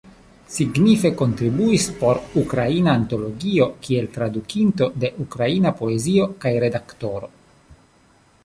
Signife kontribuis por Ukraina Antologio kiel tradukinto de ukraina poezio kaj redaktoro.